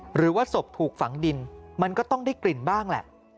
หรือว่าศพถูกฝังดินมันก็ต้องได้กลิ่นบ้างแหละ